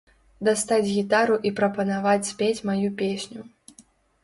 Дастаць гітару і прапанаваць спець маю песню.